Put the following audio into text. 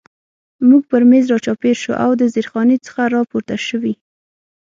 موږ پر مېز را چاپېر شو او د زیرخانې څخه را پورته شوي.